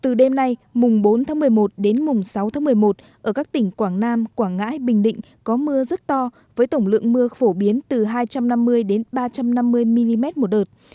từ đêm nay mùng bốn tháng một mươi một đến mùng sáu tháng một mươi một ở các tỉnh quảng nam quảng ngãi bình định có mưa rất to với tổng lượng mưa phổ biến từ hai trăm năm mươi đến ba trăm năm mươi mm một đợt